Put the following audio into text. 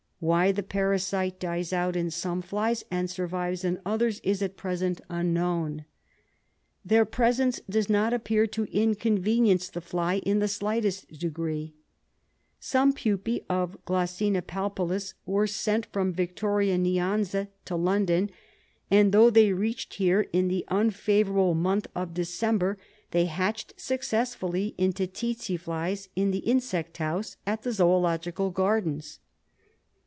Why the parasite dies out in some flies and sur vives in others, is at present unknown. Their presence does not appear to inconvenience the fly in the slightest degree. Some pupae of G. palpalis were sent from Victoria Nyanza to London, and though they reached here in the unfavour able month of December, they hatched successfully into tsetse flies in the Insect House at the Zoological Gardens.